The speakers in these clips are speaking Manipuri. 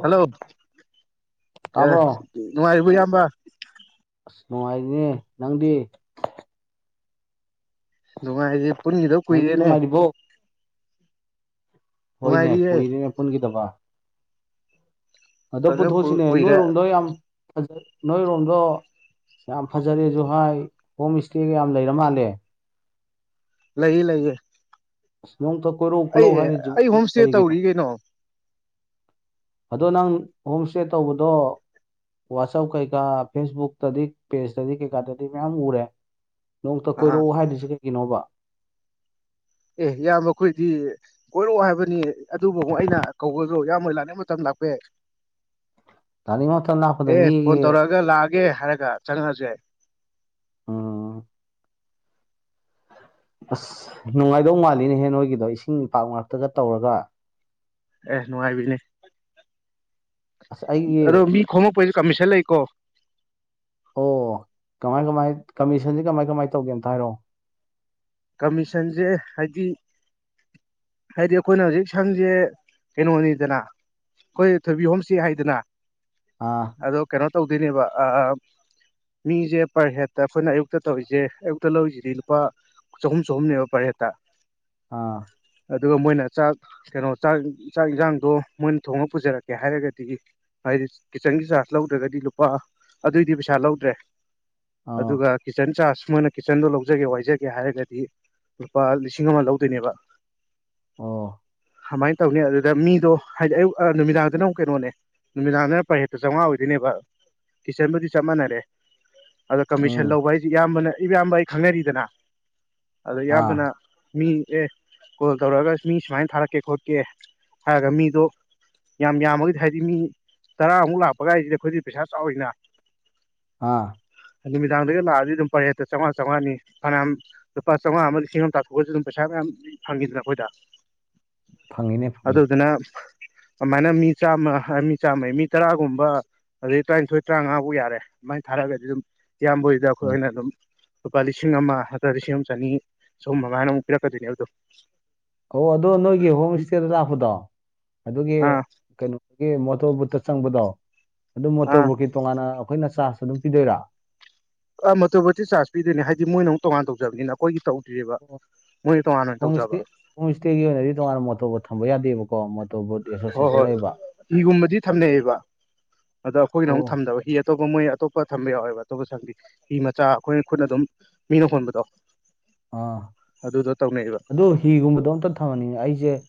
ꯍꯜꯂꯣ ꯇꯥꯕ꯭ꯔꯣ ꯅꯨꯡꯉꯥꯏꯔꯤꯕꯣ ꯏꯌꯥꯝꯕ ꯑꯁ ꯅꯨꯡꯉꯥꯏꯔꯤꯅꯦ ꯅꯪꯗꯤ ꯅꯨꯡꯉꯥꯏꯁꯦ ꯄꯨꯟꯈꯤꯗ ꯅꯪꯗꯤ ꯀꯨꯏꯔꯦꯅꯦ ꯅꯨꯡꯉꯥꯏꯔꯤꯕꯣ ꯍꯣꯏꯅꯦ ꯅꯨꯡꯉꯥꯏꯔꯤꯌꯦ ꯀꯨꯏꯔꯦꯅꯦ ꯄꯨꯟꯈꯤꯗꯕ꯫ ꯑꯗꯣ ꯐꯖꯅ ꯄꯨꯊꯣꯛꯑꯁꯤꯅꯦ ꯀꯨꯏꯔꯦ ꯅꯣꯏꯔꯣꯝꯗꯣ ꯌꯥꯝ ꯖ ꯅꯣꯏꯔꯣꯝꯗꯣ ꯌꯥꯝ ꯐꯖꯔꯦꯁꯨꯨ ꯍꯥꯏ ꯍꯣꯝ ꯏꯁꯇꯦꯒ ꯌꯥꯝ ꯂꯩꯔ ꯃꯥꯜꯂꯦ꯫ ꯂꯩꯌꯦ ꯂꯩꯌꯦ꯫ ꯑꯁ ꯅꯣꯡꯇ ꯀꯣꯏꯔꯧ ꯑꯩ ꯈꯨꯠꯂꯧ ꯑꯩ ꯍꯥꯏꯗꯔꯤꯑꯩꯕꯨ ꯍꯣꯝ ꯏꯁꯇꯦ ꯀꯔꯤꯒꯤꯅꯣ꯫ ꯇꯧꯔꯤ ꯀꯩꯅꯣ ꯑꯗꯣ ꯅꯪ ꯍꯣꯝ ꯏꯁꯇꯦ ꯇꯧꯕꯗꯣ꯫ ꯋꯥꯆꯞ ꯀꯩꯀꯥ ꯐꯦꯁꯕꯨꯛꯇꯗꯤ ꯄꯦꯖꯇꯗꯤ ꯀꯩꯀꯥꯗꯗꯤ ꯃꯌꯥꯝ ꯎꯔꯦ꯫ ꯅꯣꯡꯃꯇ ꯑꯥ ꯀꯣꯏꯔꯛꯑꯣ ꯍꯥꯏꯗꯨꯁꯤ ꯀꯩꯒꯤꯅꯣꯕ꯫ ꯑꯦ ꯏꯌꯝꯕ ꯈꯣꯏꯗꯤ ꯀꯣꯏꯔꯛꯑꯣ ꯍꯥꯏꯕꯅꯤ ꯑꯗꯨꯕꯨ ꯑꯃꯨꯛ ꯑꯩꯅ ꯀꯧꯕ꯫ ꯢꯌꯥꯝꯕ ꯍꯣꯢꯅ ꯂꯥꯅꯤꯡ ꯃꯇꯝ ꯂꯥꯛꯄ ꯌꯥꯢ ꯇꯥꯅꯤꯡ ꯃꯇꯝ ꯂꯥꯛꯄꯗ ꯑꯦ ꯐꯣꯟ ꯃꯤꯒꯤ ꯇꯧꯔꯛ ꯁꯤꯗ ꯂꯥꯛꯑꯒꯦ ꯍꯥꯏꯔꯒ ꯆꯪꯉꯛꯑꯁꯨ ꯌꯥꯏ ꯎꯝ ꯑꯁ ꯅꯨꯡꯉꯥꯏꯗꯧ ꯃꯥꯜꯂꯤꯅꯦꯍꯦ ꯅꯣꯏꯒꯤꯗꯣ ꯏꯁꯤꯡ ꯄꯥꯛ ꯉꯥꯛꯇꯒ ꯇꯧꯔꯒ ꯑꯦ ꯅꯨꯡꯉꯥꯏꯕꯤꯅꯦ ꯑꯁ ꯑꯗꯣ ꯑꯩꯒꯤ ꯃꯤ ꯈꯣꯝꯃꯛ ꯄꯩꯁꯨ ꯀꯃꯤꯁꯟ ꯂꯩꯀꯣ꯫ ꯑꯣ ꯀꯃꯥꯏ ꯀꯃꯥꯏ ꯀꯃꯤꯁꯟꯗꯣ ꯀꯃꯥꯏ ꯀꯃꯥꯏ ꯇꯧꯒꯦ ꯑꯝꯇ ꯍꯥꯏꯔꯛꯑꯣ ꯀꯃꯤꯁꯟꯁꯦ ꯍꯥꯏꯗꯤ ꯍꯥꯏꯗꯤ ꯑꯩꯈꯣꯏꯅ ꯍꯧꯖꯤꯛ ꯁꯪꯁꯦ ꯀꯩꯅꯣꯅꯤꯗꯅ ꯑꯩꯈꯣꯏ ꯊꯣꯏꯕꯤ ꯍꯣꯝ ꯢꯇꯦ ꯍꯥꯏꯗꯅ ꯑꯥ ꯑꯗꯣ ꯀꯩꯅꯣ ꯇꯧꯗꯣꯏꯅꯦꯕ ꯑꯥ ꯃꯤꯁꯦ ꯄꯔ ꯍꯦꯠꯇ ꯑꯩꯈꯣꯏꯅ ꯑꯌꯨꯛꯇ ꯇꯧꯔꯤꯁꯦ ꯑꯌꯨꯛꯇ ꯂꯧꯔꯤꯁꯤꯗꯤ ꯂꯨꯄꯥ ꯆꯍꯨꯝ ꯆꯍꯨꯝꯅꯦꯕ ꯄꯥꯔ ꯍꯦꯠꯇ ꯑꯥ ꯑꯗꯨꯒ ꯃꯣꯏꯅ ꯆꯥꯛ ꯀꯩꯅꯣ ꯆꯥꯛ ꯆꯥꯛ ꯏꯟꯁꯥꯡꯗꯣ ꯃꯣꯏꯅ ꯊꯣꯡꯉ ꯄꯨꯖꯔꯛꯀꯦ ꯍꯥꯏꯔꯒꯗꯤ ꯍꯥꯏꯗꯤ ꯀꯤꯠꯆꯟꯒꯤ ꯆꯥꯔꯖ ꯂꯧꯗ꯭ꯔꯒꯗꯤ ꯂꯨꯄꯥ ꯑꯗꯨꯏꯗꯤ ꯄꯩꯁꯥ ꯂꯧꯗ꯭ꯔꯦ꯫ ꯑꯣ ꯑꯗꯨꯒ ꯀꯤꯠꯆꯟ ꯆꯥꯔꯖ ꯃꯣꯏꯅ ꯀꯤꯠꯆꯟꯗꯣ ꯂꯧꯖꯒꯦ ꯋꯥꯏꯖꯒꯦ ꯍꯥꯏꯔꯒꯗꯤ꯫ ꯗꯤ ꯂꯨꯄꯥ ꯂꯤꯁꯤꯡ ꯑꯃ ꯂꯧꯗꯣꯏꯅꯦꯕ ꯑꯣ ꯀꯃꯥꯏꯅ ꯇꯧꯅꯤ ꯑꯗꯨꯗ ꯃꯤꯗꯣ ꯍꯥꯏꯗꯤ ꯑꯌꯨꯛ ꯅꯨꯃꯤꯗꯥꯡꯗꯅ ꯑꯃꯨꯛ ꯀꯩꯅꯣꯅꯦ ꯅꯨꯃꯤꯗꯥꯡꯗꯅ ꯄꯔ ꯍꯦꯠꯇ ꯆꯥꯝꯃꯉꯥ ꯑꯣꯏꯗꯣꯏꯅꯦꯕ ꯒꯤꯆꯟꯕꯨꯗꯤ ꯆꯞ ꯃꯥꯟꯅꯔꯦ ꯑꯗꯣ ꯀꯃꯤꯁꯟ ꯎꯝ ꯂꯧꯕ ꯍꯥꯏꯁꯤ ꯏꯌꯥꯝꯕꯅ ꯏꯌꯥꯝꯕ ꯑꯩ ꯈꯪꯅꯔꯤꯗꯅ ꯑꯗꯣ ꯑꯥ ꯏꯌꯥꯝꯕꯅ ꯃꯤ ꯁꯦ ꯀꯣꯜ ꯇꯧꯔꯛꯑꯒ ꯃꯤ ꯁꯨꯃꯥꯏꯅ ꯊꯥꯔꯛꯀꯦ ꯈꯣꯠꯀꯦ ꯍꯥꯏꯔꯒ ꯃꯤꯗꯨ ꯌꯥꯝ ꯌꯥꯝꯃꯒꯗꯤ ꯍꯥꯏꯗꯤ ꯃꯤ ꯇꯔꯥꯃꯨꯛ ꯂꯥꯛꯄꯒꯥꯏꯁꯤꯗꯤ ꯑꯩꯈꯣꯏꯗꯤ ꯄꯩꯁꯥ ꯆꯥꯎꯢꯅ꯫ ꯑꯥ ꯅꯨꯃꯤꯗꯥꯡꯗꯒꯤ ꯂꯥꯛꯑꯗꯤ ꯑꯗꯨꯝ ꯄꯔ ꯍꯠꯇ ꯆꯥꯝꯃꯉꯥ ꯆꯥꯝꯃꯉꯥꯅꯤ ꯐꯅ ꯌꯥꯝ ꯂꯨꯄꯥ ꯆꯥꯝꯃꯉꯥ ꯑꯃ ꯂꯤꯁꯤꯡ ꯑꯃ ꯇꯥꯊꯣꯛꯑꯁꯨ ꯑꯗꯨꯝ ꯄꯩꯁꯥ ꯃꯌꯥꯝ ꯐꯪꯉꯤꯗꯅ ꯑꯩꯈꯣꯏꯗ ꯐꯪꯉꯤꯅꯦ ꯑꯗꯨ ꯐꯪꯉꯤꯅꯦ ꯗꯨꯅ꯫ ꯑꯗꯨꯃꯥꯏꯅ ꯃꯤ ꯆꯥꯝꯃ ꯃꯤ ꯆꯥꯝꯃꯩ ꯃꯤ ꯇꯔꯥꯒꯨꯝꯕ ꯑꯗꯨꯗꯩ ꯇꯔꯥꯅꯤꯊꯣꯏ ꯇꯔꯥꯃꯉꯥ ꯐꯥꯎ ꯌꯥꯔꯦ ꯑꯗꯨꯃꯥꯏꯅ ꯊꯥꯔꯛꯑꯒꯗꯤ ꯑꯗꯨꯝ ꯏꯌꯥꯝꯕꯣꯏꯗ ꯎꯝ ꯑꯩꯈꯣꯏꯅ ꯑꯗꯨꯝ ꯂꯨꯄꯥ ꯂꯤꯁꯤꯡ ꯑꯃ ꯅꯠꯇꯔꯒ ꯂꯤꯁꯤꯡ ꯆꯅꯤ ꯆꯍꯨꯝ ꯃꯉꯥꯢꯅ ꯑꯃꯨꯛ ꯄꯤꯔꯛꯀꯗꯣꯏꯅꯦꯕꯗꯣ ꯑꯣ ꯑꯗꯣ ꯅꯣꯏꯒꯤ ꯍꯣꯝ ꯏꯁꯇꯦꯗ ꯂꯥꯛꯄꯗꯣ ꯑꯗꯨꯒꯤ ꯑꯥ ꯀꯩꯅꯣꯒꯤ ꯃꯣꯇꯣꯔ ꯕꯨꯠꯇ ꯆꯪꯕꯗꯣ ꯑꯗꯨ ꯑꯥ ꯃꯣꯇꯣꯔ ꯕꯨꯠꯀꯤ ꯇꯣꯉꯥꯟꯅ ꯑꯩꯈꯣꯏꯅ ꯆꯥꯔꯁ ꯑꯗꯨꯝ ꯄꯤꯗꯣꯏꯔ ꯑ ꯃꯣꯇꯣꯔ ꯕꯨꯠꯇꯤ ꯆꯥꯔꯖ ꯄꯤꯗꯣꯏꯅꯦ ꯍꯥꯏꯗꯤ ꯃꯣꯏꯅꯃꯨꯛ ꯇꯣꯉꯥꯟꯅ ꯇꯧꯖꯕꯅꯤꯅ ꯑꯩꯈꯣꯏꯒꯤ ꯇꯧ ꯑꯣ ꯍꯣꯝ ꯏꯁꯇꯦ ꯍꯣꯝ ꯏꯁꯇꯦꯒꯤ ꯑꯣꯏꯅꯗꯤ ꯇꯣꯉꯥꯟꯅ ꯃꯣꯇ ꯕꯕꯨꯣꯠ ꯊꯝꯕ ꯌꯥꯗꯦꯕꯀꯣꯣꯔ ꯕꯕꯨꯠ ꯍꯣꯏ ꯍꯣꯏ ꯍꯤꯒꯨꯝꯕꯗꯤ ꯊꯝꯅꯩꯑꯌꯦꯕ ꯑꯗꯣꯈꯅ ꯑꯃꯨ ꯑꯣ ꯊꯗꯕ ꯍꯤ ꯑꯇꯣꯞꯄ ꯃꯣꯏ ꯑꯇꯣꯞꯄ ꯊꯝꯕ ꯌꯥꯎꯋꯦꯕ ꯑꯇꯣꯞꯄ ꯁꯪꯗꯤ ꯍꯤ ꯃꯆꯥ ꯑꯩꯈꯣꯏꯅ ꯈꯨꯠꯅ ꯑꯗꯨꯝ ꯃꯤꯅ ꯍꯣꯟꯕꯗꯣ ꯑꯥ ꯑꯗꯨꯗꯣ ꯇꯧꯅꯩꯑꯕ ꯑꯗꯨ ꯍꯤꯒꯨꯝꯕꯗꯣ ꯑꯝꯇ ꯊꯝꯍꯟꯅꯤꯡꯉꯦ ꯑꯩꯁꯦ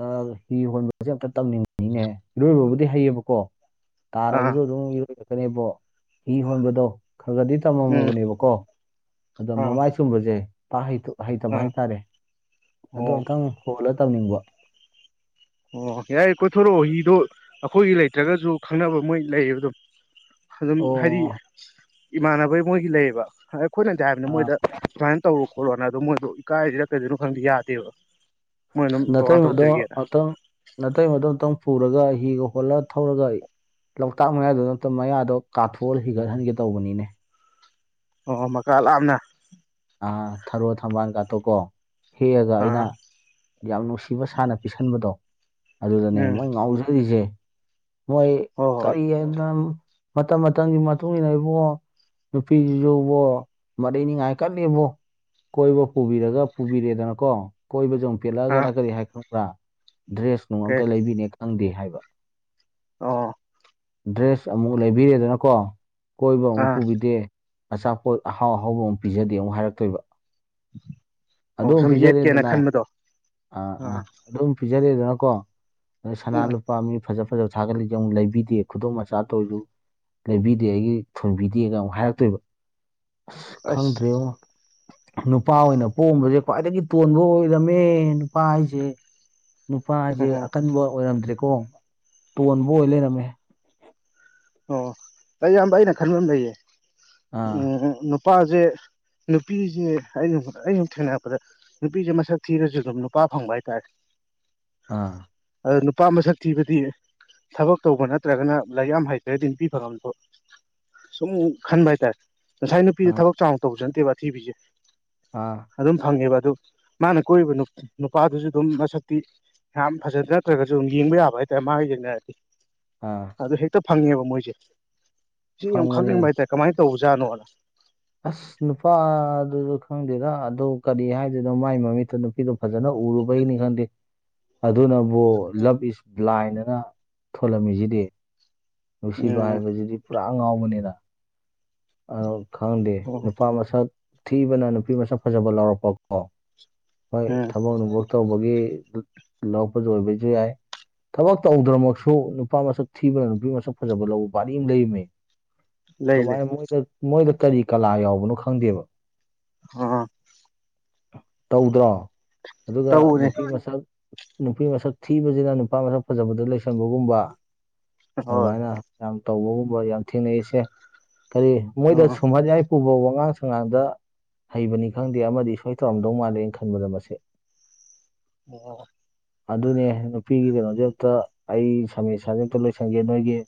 ꯑ ꯍꯤ ꯍꯣꯟꯕꯁꯦ ꯑꯝꯇ ꯇꯝꯅꯤꯡꯉꯤꯅꯦ ꯏꯔꯣꯏꯕꯕꯨꯗꯤ ꯍꯩꯌꯦꯕꯀꯣ ꯑꯥ ꯇꯥꯔꯕꯁꯨ ꯑꯗꯨꯝ ꯏꯔꯣꯏꯔꯛꯀꯅꯦꯕꯣ ꯍꯤ ꯍꯣꯟꯕꯗꯣ ꯈꯔ ꯈꯔꯗꯤ ꯎꯝ ꯇꯝꯃꯝꯃꯕꯅꯦꯕꯀꯣ ꯑꯗꯣ ꯑꯥ ꯃꯃꯥꯏ ꯆꯨꯝꯕꯁꯦ ꯍꯩꯇꯕ ꯑꯥ ꯍꯥꯏꯇꯥꯔꯦ ꯑꯗꯣ ꯑꯣ ꯑꯨꯛꯇꯪ ꯍꯣꯜꯂ ꯇꯧꯅꯤꯡꯕ ꯑꯣ ꯌꯥꯏ ꯀꯣꯏꯊꯣꯔꯛꯑꯣ ꯍꯤꯗꯣ ꯑꯩꯈꯣꯏꯒꯤ ꯂꯩꯇ꯭ꯔꯒꯁꯨ ꯈꯪꯅꯕ ꯃꯣꯏ ꯂꯩꯌꯦꯕ ꯑꯗꯨꯝ ꯑꯗꯨꯝ ꯍꯥꯏꯗꯤ ꯑꯣ ꯏꯃꯥꯟꯅꯕꯩ ꯃꯣꯏꯒꯤ ꯂꯩꯌꯦꯕ꯫ ꯑꯩꯈꯣꯏꯅꯗꯤ ꯍꯥꯏꯕꯅꯤꯅ ꯃꯣꯏꯗ ꯁꯨꯃꯥꯏꯅ ꯇꯧꯔꯣ ꯈꯣꯠꯂꯣꯅꯗꯣ ꯃꯣꯏꯗꯣ ꯏꯀꯥꯏꯁꯤꯔ ꯀꯩꯗꯣꯏꯅꯣ ꯈꯪꯗꯤ ꯌꯥꯗꯦꯕ ꯫ ꯅꯥꯇꯩꯃꯗꯣ ꯑꯝꯛꯇꯪ ꯅꯥꯇꯩꯃꯗꯣ ꯑꯨꯛꯇꯪ ꯄꯨꯔꯒ ꯍꯤꯒ ꯍꯣꯠꯂ ꯊꯧꯔꯒ ꯂꯣꯛꯇꯥꯛ ꯃꯌꯥꯗꯨ ꯑꯝꯇ ꯃꯌꯥꯗꯣ ꯀꯥꯊꯣꯛꯍꯜ ꯍꯤꯒꯠꯍꯟꯒꯦ ꯇꯧꯕꯅꯤꯅꯦ꯫ ꯑꯣ ꯃꯀꯥ ꯂꯥꯝꯅ ꯑ ꯊꯔꯣ ꯊꯝꯕꯥꯜꯒꯥꯠꯇꯣꯀꯣ ꯍꯦꯛꯑꯒ ꯑꯩꯅ ꯑꯥ ꯌꯥꯝ ꯅꯨꯡꯁꯤꯕ ꯁꯥꯥꯅ ꯄꯤꯁꯟꯕꯗꯣ ꯑꯗꯨꯗꯅꯦ ꯎꯝ ꯃꯣꯏ ꯉꯥꯎꯖꯔꯤꯁꯦ ꯃꯣꯏ ꯍꯣꯏ ꯍꯣꯏ ꯀꯔꯤ ꯍꯥꯏꯅ ꯃꯇꯝ ꯃꯇꯝꯒꯤ ꯃꯇꯨꯡ ꯏꯟꯅ ꯏꯕꯨꯡꯉꯣ ꯅꯨꯄꯤꯁꯤꯁꯨꯕꯨ ꯃꯔꯩꯅꯤꯉꯥꯏ ꯀꯜꯂꯤꯕꯣ ꯀꯣꯏꯕ ꯄꯨꯕꯤꯔꯒ ꯄꯨꯕꯤꯔꯦꯗꯅꯀꯣ ꯀꯣꯏꯕ ꯁꯦ ꯑꯝ꯫ ꯑꯥ ꯄꯦꯜꯂꯛꯑꯒꯅ ꯀꯔꯤ ꯍꯥꯏ ꯈꯪꯕ꯭ꯔꯥ ꯗ꯭ꯔꯦꯁꯅꯨꯡ ꯀꯩ ꯑꯝꯇ ꯂꯩꯕꯤꯅꯦ ꯈꯪꯗꯦ ꯍꯥꯏꯕ ꯑꯣ ꯗ꯭ꯔꯦꯁ ꯑꯃꯨꯛ ꯂꯩꯕꯤꯔꯦꯗꯅꯀꯣ ꯀꯣꯏꯕ ꯑꯃꯨꯛ ꯑꯥ ꯄꯨꯕꯤꯗꯦ ꯑꯆꯥꯄꯣꯠ ꯑꯍꯥꯎ ꯑꯍꯥꯎꯕ ꯑꯃ ꯄꯤꯖꯗꯦ ꯑꯃꯨꯛ ꯍꯥꯏꯔꯛꯇꯣꯏꯕ ꯑꯣ ꯑꯗꯨꯝ ꯁꯨꯝ ꯌꯦꯠꯀꯦꯅ ꯄꯤꯖꯔꯦꯗꯅ ꯈꯟꯕꯗꯣ ꯑꯥ ꯑꯥ ꯑꯗꯨꯝ ꯄꯤꯖꯔꯑꯦꯗꯅꯀꯣ ꯑ ꯁꯅꯥ ꯎꯝ ꯂꯨꯄꯥ ꯃꯤ ꯐꯖ ꯐꯣꯇꯣ ꯊꯒꯠꯂꯤꯁꯦ ꯑꯃꯨꯛ ꯂꯩꯕꯤꯗꯦ ꯈꯨꯗꯣꯡꯆꯥ ꯇꯧꯔꯤꯁꯨ ꯂꯩꯕꯤꯗꯦ ꯑꯩꯒꯤ ꯊꯣꯟꯕꯤꯗꯦꯅ ꯑꯃꯨꯛ ꯍꯥꯏꯔꯛꯇꯣꯏꯕ ꯑꯁ ꯈꯪꯗ꯭ꯔꯦ ꯉꯣ ꯅꯨꯄꯥ ꯑꯣꯏꯅ ꯄꯣꯛꯑꯃꯕꯁꯦ ꯈ꯭ꯋꯥꯏꯗꯒꯤ ꯇꯣꯟꯕ ꯑꯣꯏꯔꯝꯃꯦ ꯅꯨꯄꯥ ꯍꯥꯏꯁꯦ ꯅꯨꯄꯥ ꯍꯥꯏꯁꯦ ꯑꯣ ꯑꯀꯟꯕ ꯑꯣꯏꯔꯝꯗ꯭ꯔꯦꯀꯣ ꯇꯣꯟꯕ ꯑꯣꯏ ꯂꯩꯔꯝꯃꯦ ꯑꯣ ꯑꯌꯥꯝꯕ ꯑꯩꯅ ꯈꯟꯕ ꯑꯃ ꯂꯩꯌꯦ ꯑꯥ ꯎ ꯅꯨꯄꯥꯁꯦ ꯅꯨꯄꯤꯁꯦ ꯑꯩꯩꯅ ꯑꯩ ꯑꯁꯨꯝ ꯊꯦꯡꯅꯔꯛꯄꯗ ꯅꯨꯄꯤꯁꯦ ꯃꯁꯛ ꯊꯤꯔꯁꯨ ꯑꯗꯨꯝ ꯅꯨꯄꯥ ꯐꯪꯕ ꯍꯥꯏꯇꯥꯔꯦ ꯑꯥ ꯑꯗ ꯅꯨꯄꯥ ꯃꯁꯛ ꯊꯤꯕꯗꯤ ꯊꯕꯛ ꯇꯧꯕ ꯅꯠꯇ꯭ꯔꯒꯅ ꯂꯥꯏꯔꯤꯛ ꯌꯥꯝ ꯍꯩ ꯔꯗꯤ ꯅꯨꯄꯤ ꯐꯕ ꯁꯨꯝ ꯈꯟꯕ ꯍꯥꯏꯇꯥꯔꯦ ꯉꯁꯥꯏ ꯅꯨꯄꯤꯗ ꯑꯥ ꯊꯕꯛ ꯆꯥꯎꯅ ꯇꯧꯕꯁꯨ ꯅꯠꯇꯦꯕ ꯊꯤꯕꯤꯁꯦ ꯑꯥ ꯑꯗꯨꯝ ꯐꯪꯉꯦꯕ ꯑꯗꯨ ꯃꯥꯅ ꯀꯣꯏꯔꯤꯕ ꯅꯨꯄꯥꯗꯨꯁꯨ ꯑꯗꯨꯝ ꯃꯁꯛꯇꯤ ꯌꯥꯝ ꯐꯖꯅ ꯅꯠꯇ꯭ꯔꯒꯁꯨ ꯑꯗꯨ ꯌꯦꯡꯕ ꯌꯥꯕ ꯍꯥꯏꯇꯥꯔꯦ ꯃꯥꯒ ꯌꯦꯡꯅꯔꯗꯤ ꯑꯥ ꯑꯗꯨ ꯍꯦꯛꯇ ꯐꯪꯉꯦꯕ ꯃꯣꯏꯁꯦ ꯁꯤ ꯌꯥꯝ ꯐꯪꯕꯅꯦ ꯈꯪꯅꯤꯡꯕ ꯍꯥꯏꯇꯥꯔꯦ ꯀꯃꯥꯏꯅ ꯇꯧꯕꯖꯥꯠꯅꯣꯅ ꯑꯁ ꯅꯨꯄꯥꯗꯨꯁꯨ ꯈꯪꯗꯦꯗ ꯑꯗꯨ ꯀꯔꯤ ꯍꯥꯏꯗꯣꯏꯅꯣ ꯃꯥꯏ ꯃꯃꯤꯠꯇ ꯅꯨꯄꯤꯗꯣ ꯐꯖꯅꯣ ꯎꯔꯨꯕꯩꯅꯤ ꯈꯪꯗꯦ ꯑꯗꯨꯅꯕꯨ ꯂꯞ ꯏꯁ ꯕ꯭ꯂꯥꯏꯟ ꯑꯅ ꯊꯣꯂꯝꯃꯤꯁꯤꯗꯤ ꯅꯨꯡꯁꯤꯕ ꯎꯝ ꯍꯥꯏꯕꯁꯤꯗꯤ ꯄꯨꯔꯥ ꯉꯥꯎꯕꯅꯤꯅ ꯑꯗꯨ ꯈꯪꯗꯦ ꯑꯣ ꯅꯨꯄꯥ ꯃꯁꯛ ꯊꯤꯕꯅ ꯅꯨꯄꯤ ꯃꯁꯛ ꯐꯖꯕ ꯂꯥꯎꯔꯛꯄ ꯀꯣ ꯍꯣꯏ ꯎꯝ ꯊꯕꯛ ꯅꯨꯡꯕ ꯇꯧꯕꯒꯤ ꯂꯧꯔꯛꯄ ꯑꯣꯏꯕꯁꯨ ꯌꯥꯏ ꯊꯕꯛ ꯇꯧꯗ꯭ꯔꯃꯛꯁꯨ ꯅꯨꯄꯥ ꯃꯁꯛ ꯊꯤꯕꯅ ꯅꯨꯄꯤ ꯃꯁꯛ ꯐꯖꯕ ꯂꯧꯕ ꯕꯥꯔꯤ ꯑꯃ ꯂꯩꯔꯤꯝꯅꯦ ꯂꯩ ꯂꯩ ꯀꯃꯥꯏꯅ ꯃꯣꯏꯗ ꯃꯣꯏꯗ ꯀꯔꯤ ꯀꯂꯥ ꯌꯥꯎꯕꯅꯣ ꯈꯪꯗꯦꯕ ꯑꯥ ꯇꯧꯗ꯭ꯔꯣ ꯑꯗꯨꯒ ꯇꯧꯕꯅꯦ ꯅꯨꯄꯤ ꯃꯁꯛ ꯅꯨꯄꯤ ꯃꯁꯛ ꯊꯤꯕꯁꯤꯅ ꯅꯨꯄꯥ ꯃꯁꯛ ꯐꯖꯕꯗ ꯂꯩꯁꯟꯕꯒꯨꯝꯕ ꯍꯣꯏ ꯑꯗꯨꯃꯥꯏꯅ ꯌꯥꯝ ꯇꯧꯕꯒꯨꯝꯕ ꯌꯥꯝ ꯊꯦꯡꯅꯩꯁꯦ ꯀꯔꯤ ꯃꯣꯏꯗ ꯑꯥ ꯁꯨꯝꯍꯜꯂꯤ ꯌꯥꯏ ꯎꯐꯧ ꯋꯥꯉꯥꯡ ꯁꯉꯥꯡꯗ ꯍꯩꯕꯅꯤ ꯈꯪꯗꯦ ꯑꯃꯗꯤ ꯁꯣꯏ ꯇꯧꯔꯝꯗꯧ ꯃꯥꯜꯂꯦꯅ ꯈꯟꯕꯗ ꯃꯁꯦ ꯑꯣ ꯑꯗꯨꯅꯦ ꯅꯨꯄꯤꯒꯤ ꯀꯩꯅꯣꯁꯦ ꯑꯝꯛꯇ ꯑꯩ ꯁꯃꯁ꯭ꯁꯦ ꯑꯝꯛꯇ ꯂꯣꯏꯁꯟꯒꯦ ꯅꯣꯏꯒꯤ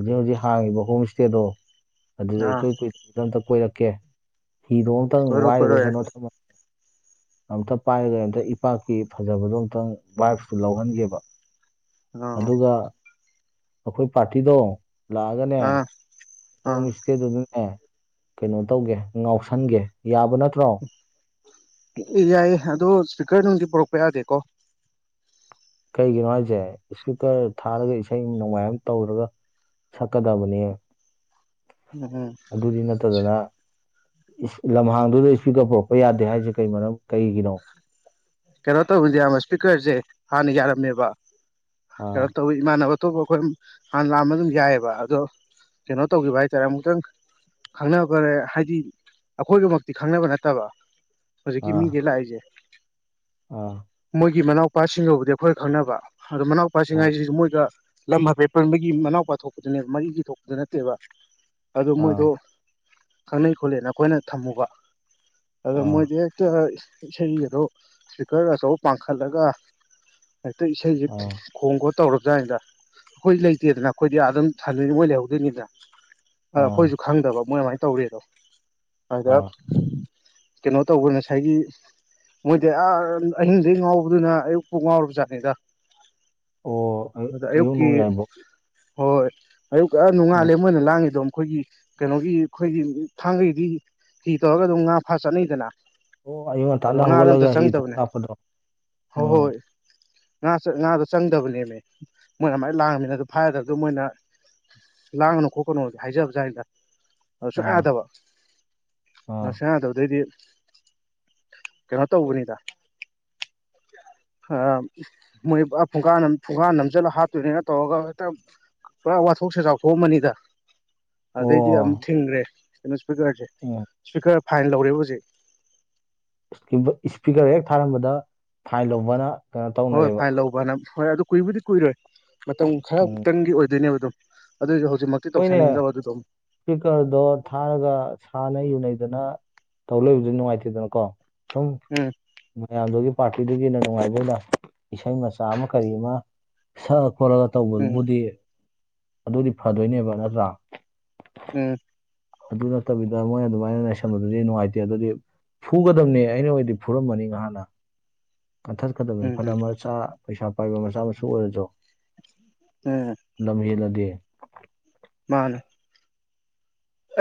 ꯍꯧꯖꯤꯛ ꯍꯧꯖꯤꯛ ꯍꯥꯡꯉꯤꯕ ꯍꯣꯝ ꯏꯁꯇꯦꯗꯣ ꯑꯗꯨꯗ ꯑꯥ ꯏꯀꯨꯏ ꯀꯨꯏꯗꯕꯗ ꯑꯝꯇ ꯀꯣꯏꯔꯛꯀꯦ ꯍꯤꯗꯣ ꯑꯨꯛꯇꯪ ꯀꯣꯏꯔꯣ ꯀꯣꯏꯔꯣ ꯋꯥꯏꯔꯒ ꯌꯥꯏ ꯀꯩꯅꯣ ꯊꯝꯃ ꯑꯝꯇ ꯄꯥꯏꯔꯒ ꯑꯝꯇ ꯏꯄꯥꯛꯀꯤ ꯐꯖꯕꯗꯣ ꯑꯨꯛꯇꯪ ꯋꯥꯏꯞꯇ ꯂꯧꯍꯟꯒꯦꯕ ꯑꯥ ꯑꯗꯨꯒ ꯑꯩꯈꯣꯏ ꯄꯥꯔꯇꯤꯗꯣ ꯂꯥꯛꯑꯒꯅꯦ ꯑꯥ ꯑꯥ ꯍꯣꯝ ꯏꯁꯇꯦꯗꯨꯗꯅꯦ ꯀꯩꯅꯣ ꯇꯧꯒꯦ ꯉꯥꯎꯁꯟꯒꯦ ꯌꯥꯕ ꯅꯠꯇ꯭ꯔꯣ ꯑꯦ ꯌꯥꯏꯌꯦ ꯑꯗꯣ ꯏꯁꯄꯤꯀꯔ ꯅꯣꯡꯗꯤ ꯄꯨꯔꯛꯄ ꯌꯥꯗꯦꯀꯣ ꯀꯩꯒꯤꯅꯣ ꯍꯥꯏꯁꯦ ꯏꯁꯄꯤꯀꯔ ꯊꯥꯔꯒ ꯏꯁꯩ ꯅꯣꯡꯃꯥꯏ ꯑꯃ ꯇꯧꯔꯒ ꯁꯛꯀꯗꯕꯅꯦ ꯎꯝ ꯎꯝ ꯑꯗꯨꯗꯤ ꯅꯠꯇꯗꯅ ꯢꯁ ꯂꯝꯍꯥꯡꯗꯨꯗ ꯏꯁꯄꯤꯀꯔ ꯄꯨꯔꯛꯄ ꯌꯥꯗꯦ ꯍꯥꯏꯔꯤꯁꯦ ꯀꯩ ꯃꯔꯝ ꯀꯩꯒꯤꯅꯣ ꯀꯩꯅꯣ ꯇꯧꯢ ꯌꯥꯝꯕ ꯏꯁꯄꯤꯀꯔꯁꯦ ꯍꯥꯟꯅ ꯌꯥꯔꯝꯃꯦꯕ ꯑꯥ ꯀꯩꯅꯣ ꯇꯧꯢ ꯏꯃꯥꯟꯅꯕ ꯑꯇꯣꯞꯄ ꯑꯩꯈꯣꯏ ꯍꯥꯟꯅ ꯂꯥꯛꯑꯝꯕ ꯑꯗꯨꯝ ꯌꯥꯏꯑꯦꯕ ꯑꯗꯣ ꯀꯩꯅꯣ ꯇꯧꯒꯤꯕ ꯍꯥꯏꯇꯥꯔꯦ ꯑꯃꯨꯛꯇꯪ ꯈꯪꯅꯕꯔꯦ ꯍꯥꯏꯗꯤ ꯑꯩꯈꯣꯏꯒꯃꯛꯇꯤ ꯈꯪꯅꯕ ꯅꯠꯇꯕ ꯍꯧꯖꯤꯛꯀꯤ ꯑꯥ ꯃꯤꯒꯤ ꯂꯥꯛꯏꯁꯦ ꯑꯥ ꯃꯣꯏꯒꯤ ꯃꯅꯥꯎꯄꯥꯁꯤꯡꯒꯕꯨꯗꯤ ꯑꯩꯈꯣꯏ ꯈꯪꯅꯕ ꯑꯗꯣ ꯃꯅꯥꯎꯄꯥꯁꯤꯡ ꯑꯥ ꯍꯥꯏꯁꯤꯁꯨ ꯃꯣꯏꯒ ꯂꯝ ꯍꯥꯏꯐꯦꯠ ꯄꯨꯟꯕꯒꯤ ꯃꯅꯥꯎꯄꯥ ꯊꯣꯛꯄꯗꯨꯅꯦꯕ ꯃꯔꯤꯒꯤ ꯊꯣꯛꯄꯗꯨ ꯅꯠꯇꯦꯕ ꯑꯗꯨ ꯑꯥ ꯃꯣꯏꯗꯣ ꯈꯪꯅꯩ ꯈꯣꯠꯂꯦꯅ ꯑꯩꯈꯣꯏꯅ ꯊꯝꯃꯨꯕ ꯑꯗꯣ ꯑꯥ ꯃꯣꯏꯗꯤ ꯍꯦꯛꯇ ꯢꯁꯩꯒꯥꯗꯣ ꯏꯁꯄꯤꯀꯔ ꯑꯆꯧꯕ ꯄꯥꯡꯈꯠꯂꯒ ꯍꯦꯛꯇ ꯏꯁꯩꯁꯦ ꯑꯥ ꯈꯣꯡ ꯈꯣꯠ ꯇꯧꯔꯕꯖꯥꯠꯅꯤꯗ ꯑꯩꯈꯣꯏ ꯂꯩꯇꯦꯗꯅ ꯑꯩꯈꯣꯏꯗꯤ ꯑꯥꯗ ꯑꯗꯨꯝ ꯊꯝꯗꯣꯏꯅꯤ ꯃꯣꯏ ꯂꯩꯍꯧꯗꯣꯏꯅꯤꯗꯅ ꯑ ꯑꯩꯈꯣꯏꯁꯨ ꯑꯥ ꯈꯪꯗꯕ ꯃꯣꯏ ꯑꯗꯨꯃꯥꯏꯅ ꯇꯧꯔꯦꯗꯣ ꯑꯗꯨꯗ ꯑꯥ ꯀꯩꯅꯣ ꯇꯧꯕ ꯉꯁꯥꯏꯒꯤ ꯃꯣꯏꯗꯤ ꯑ ꯑꯍꯤꯡꯗꯩ ꯉꯥꯎꯕꯗꯨꯅ ꯑꯌꯨꯛ ꯄꯨꯡ ꯉꯥꯎꯔꯕꯖꯥꯠꯅꯤꯗ ꯑꯣ ꯑꯗꯨꯗ ꯑꯌꯨꯛ ꯑꯌꯨꯛꯀꯤ ꯅꯣꯡꯌꯥꯏꯕꯣ ꯍꯣꯏ ꯑꯌꯨꯛ ꯑ ꯎꯝ ꯅꯣꯡꯉꯥꯜꯂꯦ ꯃꯣꯏꯅ ꯂꯥꯡꯉꯤꯗꯣ ꯃꯈꯣꯏꯒꯤ ꯀꯩꯅꯣꯒꯤ ꯑꯩꯈꯣꯏꯒꯤ ꯊꯥꯡꯒꯒꯤꯗꯤ ꯍꯤ ꯇꯧꯔꯒ ꯑꯗꯨꯝ ꯉꯥ ꯐꯥ ꯆꯠꯅꯩꯗꯅ ꯑꯣ ꯑꯌꯨꯛ ꯑꯗꯣ ꯉꯇꯥꯟꯅ ꯉꯥꯗ ꯍꯧꯒꯠꯂꯒ ꯍꯤ ꯊꯣꯡ ꯆꯪꯗꯕꯅꯦ ꯂꯥꯛꯄꯗꯣ ꯍꯣꯢ ꯎꯝ ꯍꯣꯏ ꯉꯥ ꯉꯥꯗꯣ ꯆꯪꯗꯕꯅꯦꯃꯤ ꯃꯣꯏꯅ ꯑꯃꯥꯏ ꯂꯥꯡꯉꯝꯅꯤꯅ ꯑꯗꯨ ꯐꯥꯌꯗꯕꯗꯨ ꯃꯣꯏꯅ ꯂꯥꯡꯒꯅꯨ ꯈꯣꯠꯀꯅꯣꯗꯨ ꯍꯥꯏꯖꯕꯖꯥꯠꯅꯤꯗ ꯑꯗꯨ ꯁꯨꯡ ꯑꯥ ꯌꯥꯗꯕ ꯑꯥ ꯑ ꯁꯨꯡ ꯌꯥ ꯌꯥꯗꯕꯗꯩꯗꯤ ꯀꯩꯅꯣ ꯇꯧꯕꯅꯤꯗ ꯃꯣꯏ ꯐꯨꯡꯒꯥ ꯐꯨꯡꯒꯥꯥ ꯅꯝꯖꯤꯜꯂꯒ ꯍꯥꯠꯇꯣꯏꯅꯤꯅ ꯇꯧꯔꯒ ꯍꯦꯛꯇ ꯄꯨꯔꯥ ꯋꯥꯊꯣꯛ ꯁꯖꯥꯎ ꯊꯣꯛꯑꯝꯃꯅꯤꯗ ꯑꯣ ꯑꯗꯩꯗꯤ ꯑꯃꯝ ꯊꯤꯡꯒ꯭ꯔꯦ ꯀꯩꯅꯣ ꯏꯁꯄꯤꯀꯔꯁꯦ ꯑꯣ ꯏꯁꯄꯤꯀꯔ ꯐꯥꯏꯟ ꯂꯧꯔꯦ ꯍꯧꯖꯤꯛ ꯏꯁꯄꯤꯀꯔ ꯍꯦꯛ ꯊꯥꯔꯝꯕꯗ ꯐꯥꯏꯟ ꯂꯧꯕꯅ ꯀꯩꯅꯣ ꯍꯣꯏ ꯍꯣꯏ ꯇꯧꯅꯔꯦꯕ ꯐꯥꯏꯟ ꯂꯧꯕ ꯍꯥꯏꯅ ꯍꯣꯏ ꯑꯗꯨ ꯀꯨꯏꯕꯨꯗꯤ ꯀꯨꯏꯔꯣꯏ ꯃꯇꯝ ꯈꯔ ꯎꯝ ꯈꯛꯇꯪꯒꯤ ꯑꯣꯏꯗꯣꯏꯅꯦꯕ ꯑꯗꯨ ꯑꯗꯨꯏꯁꯨ ꯍꯧꯖꯤꯛꯃꯛꯇꯤ ꯍꯣꯏꯅꯦ ꯇꯧꯁꯟꯅꯤꯡꯗꯕ ꯑꯗꯨꯗꯣ ꯏꯁꯄꯤꯀꯔꯗꯣ ꯊꯥꯔꯒ ꯁꯥꯟꯅꯩ ꯌꯨꯅꯩꯗꯅ ꯇꯧ ꯂꯩꯏꯕꯗꯨ ꯅꯨꯡꯉꯥꯏꯇꯦꯗꯅꯀꯣ ꯁꯨꯝ ꯎꯝ ꯃꯌꯥꯝꯗꯨꯒꯤ ꯄꯥꯔꯇꯤꯗꯨꯒꯤ ꯅꯨꯡꯉꯥꯏꯕ ꯑꯣꯏꯅ ꯏꯁꯩ ꯃꯆꯥ ꯑꯃ ꯀꯔꯤ ꯑꯃ ꯁꯛꯑ ꯈꯣꯠꯂꯒ ꯎꯝ ꯇꯧꯕꯗꯨꯕꯨꯗꯤ ꯑꯗꯨꯗꯤ ꯐꯗꯣꯏꯅꯦꯕ ꯅꯠꯇ꯭ꯔꯥ ꯎꯝ ꯑꯗꯨ ꯅꯠꯇꯕꯤꯗ ꯃꯣꯏ ꯑꯗꯨꯃꯥꯏꯅ ꯂꯩꯥꯁꯟꯕꯗꯨꯗꯤ ꯅꯨꯡꯉꯥꯏꯇꯦ ꯑꯗꯨꯗꯤ ꯐꯨꯒꯗꯝꯅꯦ ꯑꯩꯅ ꯑꯣꯏꯗꯤ ꯐꯨꯔꯝꯃꯅꯤ ꯅꯍꯥꯟꯅ ꯀꯟꯊꯠꯀꯗꯕꯅꯤ ꯎꯝ ꯎꯝ ꯐꯅ ꯎꯝ ꯃꯆꯥ ꯄꯩꯁꯥ ꯄꯥꯏꯕ ꯃꯆꯥ ꯃꯁꯨ ꯑꯣꯏꯔꯁꯨ ꯎꯝ ꯂꯝꯍꯦꯜꯂꯗꯤ ꯃꯥꯅꯦ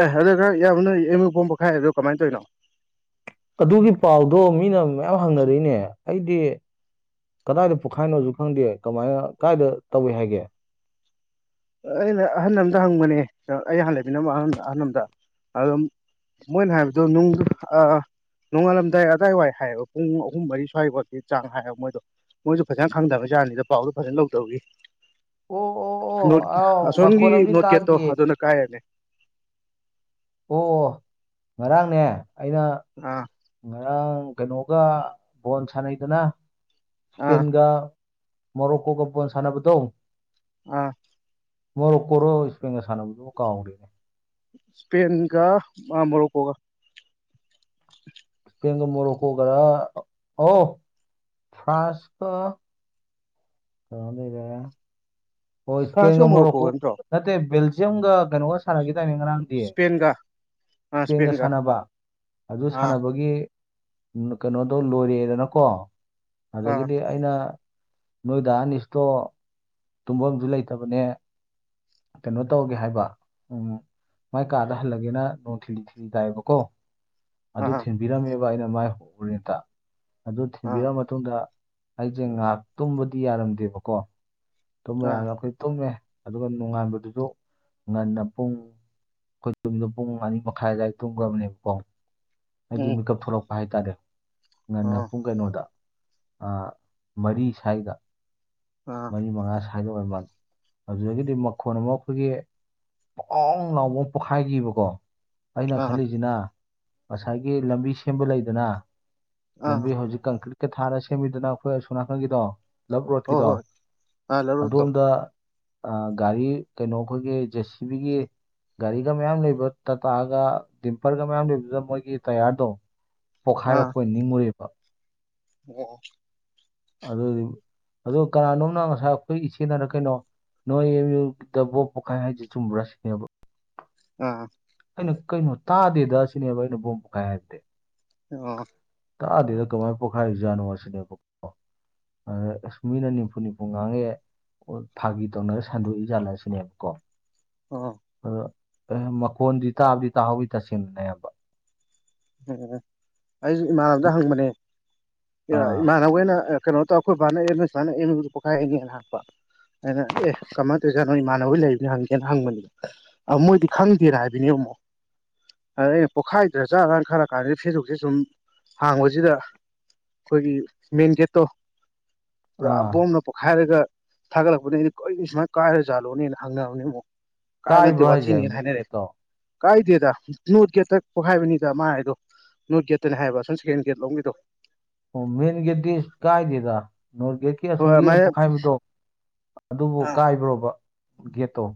ꯑꯦ ꯑꯗꯨꯗ ꯢꯌꯥꯝꯕ ꯅꯣꯏ ꯑꯦꯝ ꯃꯨꯢ ꯕꯣꯝ ꯄꯣꯛꯈꯥꯏ ꯍꯥꯢꯗꯨ ꯀꯃꯥꯏꯅ ꯇꯧꯔꯤꯅꯣ ꯑꯗꯨꯒꯤ ꯄꯥꯎꯗꯣ ꯃꯤꯅ ꯃꯌꯥꯝ ꯍꯪꯅꯔꯤꯅꯦ ꯑꯩꯗꯤ ꯀꯗꯥꯏꯗ ꯄꯣꯛꯈꯥꯏꯅꯣꯁꯨ ꯈꯪꯗꯦ ꯀꯃꯥꯏꯅ ꯀꯥꯏꯗ ꯇꯧꯏ ꯍꯥꯏꯒꯦ ꯑꯩꯅ ꯑꯍꯜ ꯑꯃꯗ ꯍꯪꯕꯅꯦ ꯑꯩꯅ ꯍꯥꯟꯅ ꯂꯩꯃꯤꯟꯅꯕ ꯑꯍꯟ ꯑꯍꯜ ꯑꯃꯗ ꯑꯗꯨꯝ ꯃꯣꯏꯅ ꯍꯥꯏꯕꯗꯣ ꯅꯨꯡ ꯅꯣꯡꯉꯥꯜꯂꯝꯗꯥꯏ ꯑꯗꯏꯋꯥꯏ ꯍꯥꯏꯌꯦꯕ ꯄꯨꯡ ꯑꯍꯨꯝ ꯃꯔꯤ ꯁ꯭ꯋꯥꯏꯐꯥꯎꯀꯤ ꯆꯥꯡ ꯍꯥꯏꯕ ꯃꯣꯏꯗꯣ ꯃꯣꯏꯁꯨ ꯐꯖꯅ ꯈꯪꯗꯕ ꯖꯠꯅꯤꯗ ꯄꯥꯎꯗꯣ ꯐꯖꯅ ꯂꯧꯗꯕꯒꯤ ꯑꯣ ꯑꯣ ꯅꯣꯠ ꯑꯣ ꯑꯥꯎ ꯑꯁꯣꯝꯒꯤ ꯃꯈꯣꯟ ꯑꯃꯗꯤ ꯅꯣꯠ ꯒꯦꯠꯇꯣ ꯇꯥꯈꯤꯌꯦ ꯑꯗꯨꯅ ꯀꯥꯏꯔꯔꯦ ꯑꯣ ꯉꯔꯥꯡꯅꯦ ꯑꯩꯅ ꯑ ꯉꯔꯥꯡ ꯀꯩꯅꯣꯒ ꯕꯣꯟ ꯁꯥꯟꯅꯩꯗꯅ ꯑꯥ ꯏꯁꯄꯦꯟꯒ ꯃꯣꯔꯣꯀꯣꯒ ꯕꯣꯜ ꯁꯥꯟꯅꯕꯗꯣ ꯑ ꯃꯣꯔꯣꯀꯣꯔꯣ ꯏꯁꯄꯟꯒ ꯁꯥꯟꯅꯕꯗꯨꯕꯨ ꯀꯥꯎ ꯔꯦꯅꯦ ꯏꯁꯄꯦꯟꯒ ꯃꯣꯔꯣꯀꯣꯒ ꯏꯁꯄꯦꯟꯒ ꯃꯣꯔꯣꯀꯣꯒꯃ ꯑꯣ ꯐ꯭ꯔꯥꯟꯁ ꯀ [unintelligible] ꯍꯣꯏ ꯐ꯭ꯔꯥꯟꯁꯀ ꯏꯁꯄꯦꯟꯒ ꯃꯣꯔꯣꯀꯣ ꯃꯣꯔꯣꯀꯣꯒ ꯅꯠꯇ꯭ꯔꯣ ꯅꯠꯇꯦ ꯕꯦꯜꯖꯤꯌꯝꯒ ꯀꯩꯅꯣꯒ ꯁꯥꯟꯅꯈꯤꯗꯥꯏ ꯉꯔꯥꯡ꯫ ꯏꯁꯄꯦꯟꯒ ꯏꯁꯄꯦꯟꯒ ꯁꯥꯟꯅꯕ ꯑꯗꯨ ꯑꯥ ꯁꯥꯟꯅꯕꯒꯤ ꯀꯩꯅꯣꯗꯣ ꯂꯣꯏꯔꯛ ꯑꯦꯗꯅꯀꯣ ꯑꯥ ꯑꯗꯒꯤꯗꯤ ꯑꯩꯅ꯫ ꯅꯣꯏ ꯗꯥ ꯑꯥꯅꯤꯁꯇꯣ ꯇꯨꯝꯐꯝꯁꯨ ꯂꯩꯇꯕꯅꯦ ꯀꯩꯅꯣ ꯇꯧꯒꯦ ꯍꯥꯏꯕ ꯎꯝ꯫ ꯃꯥꯏ ꯀꯥꯗ ꯍꯜꯂꯒꯦꯅ ꯅꯣꯡ ꯊꯤꯠꯂꯤ ꯊꯤꯠꯂꯤ ꯇꯏꯕꯀꯣ꯫ ꯑꯗꯨ ꯑꯥ ꯊꯤꯟꯕꯤꯔꯝꯃꯦꯕ ꯑꯩꯅ ꯃꯥꯏꯗ ꯑꯗꯨ ꯑꯥ ꯊꯤꯟꯕꯤꯔ ꯃꯇꯨꯡꯗ꯫ ꯑꯩꯁꯦ ꯉꯥꯏꯍꯥꯛ ꯇꯨꯝꯕꯗꯤ ꯌꯥꯔꯝꯗꯦꯕꯀꯣ ꯇꯨꯝꯕ ꯑꯥ ꯌꯗꯕ ꯑꯩꯈꯣꯏ ꯇꯨꯝꯃꯦ ꯑꯗꯨꯒ ꯅꯣꯡꯉꯥꯟꯕꯗꯨꯁꯨ ꯉꯟꯅ ꯄꯨꯡ꯫ ꯑꯩꯈꯣꯏ ꯇꯨꯝꯃꯤꯗꯣ ꯄꯨꯡ ꯃꯅꯤ ꯃꯈꯥꯏ ꯑꯗꯨꯋꯥꯏꯗ ꯇꯨꯝꯈ꯭ꯔꯕꯅꯦꯕꯀꯣ ꯍꯥꯏꯗꯤ ꯎꯝ ꯃꯤꯀꯞ ꯊꯣꯛꯂꯛꯄ ꯍꯥꯏꯇꯥꯔꯦ ꯉꯟꯅ ꯑꯣ ꯄꯨꯡ ꯀꯩꯅꯣꯗ ꯑꯥ ꯃꯔꯤ ꯁꯥꯏꯗ ꯑꯥ ꯃꯔꯤ ꯃꯉꯥ ꯁꯥꯏꯗꯥ ꯍꯥꯏꯗꯤꯑꯣꯏꯃꯥꯜꯅꯦ ꯑꯗꯨꯗꯒꯤꯗꯤ ꯃꯈꯣꯟ ꯑꯃ ꯑꯩꯈꯣꯏꯒꯤ ꯄꯣꯡ ꯂꯥꯎꯕ ꯄꯣꯛꯈꯥꯏꯈꯤꯕꯀꯣ ꯑꯩꯅ ꯑꯥ ꯈꯜꯂꯤꯁꯤꯅ꯫ ꯉꯁꯥꯏꯒꯤ ꯂꯝꯕꯤ ꯁꯦꯝꯕ ꯂꯩꯗꯅ ꯑꯥ ꯂꯝꯕꯤ ꯍꯧꯖꯤꯛ ꯀꯪꯀ꯭ꯤꯠ ꯊꯥꯔ ꯁꯦꯝꯕꯤꯗꯅ ꯑꯩꯈꯣꯏ ꯑꯁꯣꯝ ꯅꯥꯀꯟꯒꯤꯗꯣ ꯂꯞ ꯍꯣꯏ ꯔꯣꯠꯀꯤꯗꯣ ꯍꯣꯏ ꯑꯥ ꯂꯧꯔꯣꯛꯇꯣ ꯑꯗꯣꯝꯗ꯫ ꯑ ꯒꯥꯔꯤ ꯀꯩꯅꯣ ꯑꯩꯈꯣꯏꯒꯤ ꯖꯦꯁꯤꯕꯤꯒꯤ ꯒꯥꯔꯤꯒ ꯃꯌꯥꯝ ꯂꯩꯕ ꯇꯥꯇꯥꯒ ꯗꯤꯝꯄꯔꯒ ꯃꯌꯥꯝ ꯂꯩꯕꯗꯨꯗ ꯃꯣꯏ ꯒꯤ ꯇꯌꯥꯔꯗꯣ ꯑꯥ ꯄꯣꯛꯈꯥꯏꯔꯛꯄ ꯅꯤꯡꯉꯨꯔꯦꯕ꯫ ꯑꯣ꯫ ꯑꯗꯨꯗꯤ ꯑ ꯀꯅꯥꯅꯣꯝꯅ ꯉꯁꯥꯏ ꯑꯩꯈꯣꯏ ꯏꯆꯦꯅꯅ ꯀꯩꯅꯣ꯫ ꯅꯣꯏ ꯑꯦꯝ ꯌꯨꯗ ꯕꯣ ꯄꯣꯛꯈꯥꯏ ꯍꯥꯏꯁꯤ ꯆꯨꯝꯕ꯭ꯔꯁꯤꯅꯦꯕ꯫ ꯑ꯫ ꯑꯩꯅ ꯀꯩꯅꯣ ꯇꯥꯗꯦꯗ ꯑꯁꯤꯅꯦꯕ ꯑꯩꯅ ꯕꯣꯝ ꯀꯥꯏ ꯍꯥꯏꯗꯤ꯫ ꯑꯣ꯫ ꯇꯥꯑꯗꯦꯗ ꯀꯃꯥꯏꯅ ꯄꯣꯈꯥꯏꯔꯤ ꯖꯥꯠꯅꯣ ꯁꯤꯅꯦꯕꯀꯣ꯫ ꯑꯗ ꯑꯁ ꯃꯤꯅ ꯅꯤꯝꯐꯨ ꯅꯤꯝꯐꯨ ꯉꯥꯡꯅꯩꯑꯦ꯫ ꯐꯥꯒꯤ ꯇꯧꯅꯔ ꯁꯟꯗꯣꯛꯏ ꯖꯥꯠꯂꯁꯤꯅꯦꯕ ꯀꯣ꯫ ꯑ ꯑꯗꯣ ꯑꯦ ꯃꯈꯣꯟꯗꯤ ꯇꯥꯕꯗꯤ ꯇꯥꯍꯧꯗꯤ ꯇꯁꯦꯡꯅꯅꯦꯕ ꯎꯝ ꯑꯩꯁꯨ ꯏꯃꯥꯟꯅꯕꯗ ꯍꯪꯕꯅꯦ ꯑꯥ ꯏꯃꯥꯟꯅꯕꯒꯩꯅ ꯀꯩꯅꯣꯇꯣ ꯑꯩꯈꯣꯏ ꯕꯥꯅꯁꯨ ꯄꯣꯛꯈꯥꯏꯅꯦꯅ ꯍꯥꯏꯔꯛꯄ ꯑꯦ ꯀꯃꯥꯏꯅ ꯇꯧꯔꯤꯁꯥꯠ ꯅꯣ ꯏꯃꯥꯟꯅꯕ ꯂꯩꯕꯅꯤ ꯍꯪꯒꯦꯅ ꯍꯪꯕꯅꯤꯗ꯫ ꯑ ꯃꯣꯏꯗꯤ ꯈꯪꯗꯦꯅ ꯍꯥꯏꯕꯅꯦ ꯑꯃꯨꯛ ꯑꯗ ꯑꯩꯅ ꯄꯣꯛꯈꯥꯏꯗ꯭ꯔ ꯖꯠꯂꯅ꯫ ꯈꯜꯂꯛ ꯀꯥꯟꯁꯤꯗ ꯐꯦꯁꯕꯨꯛꯁꯦ ꯁꯨꯝ ꯍꯥꯡꯕꯁꯤꯗ꯫ ꯑꯩꯈꯣꯏꯒꯤ ꯃꯦꯟꯒꯦꯠꯇꯣ꯫ ꯄꯨꯔꯥ ꯑꯥ ꯕꯣꯝꯅ ꯄꯣꯛꯈꯥꯏꯔꯒ ꯊꯥꯒꯠꯂꯛꯄꯅꯤ ꯀꯔꯤ ꯁꯨꯃꯥꯏꯅ ꯀꯥꯏꯔ ꯆꯥꯠꯂꯣꯅꯦꯅ ꯍꯪꯅꯅꯕꯅꯦ ꯑꯃꯨꯛ꯫ ꯀꯥꯏꯕ ꯅꯠꯇꯦ ꯀꯥꯏꯕ꯭ꯔꯣ ꯍꯥꯏꯁꯦ ꯋꯥꯊꯤꯅꯦꯅ ꯃꯦꯟ ꯍꯥꯏꯅꯦꯔꯦ꯫ ꯒꯦꯠꯇꯣ ꯀꯥꯏꯗꯦꯗ ꯅꯣꯔꯠ ꯒꯦꯠꯇ ꯄꯣꯛꯈꯥꯏꯕꯅꯤꯗ ꯃꯥ ꯍꯥꯏꯗꯣ ꯅꯣꯔꯠ ꯒꯦꯠꯇꯅꯤ ꯍꯥꯏꯕ ꯁꯣꯝ ꯁꯦꯀꯦꯟ ꯒꯦꯠ ꯂꯣꯝꯒꯤꯗꯣ꯫ ꯑꯣ ꯃꯦꯟꯒꯦꯇ ꯀꯥꯏꯗꯦꯗ ꯅꯣꯔꯒꯦꯇ꯫ ꯑꯩ ꯍꯣꯏ ꯑꯁꯣꯝꯒꯤ ꯑꯗꯨꯃꯥꯏꯅ ꯄꯣꯛꯈꯥꯏꯕꯗꯣ ꯑꯗꯨꯕꯨ ꯀꯥꯏꯕ꯭ꯔꯣꯕ ꯒꯦꯠꯇꯣ꯫